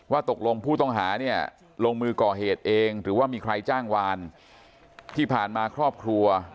ตกลงผู้ต้องหาเนี่ยลงมือก่อเหตุเองหรือว่ามีใครจ้างวานที่ผ่านมาครอบครัว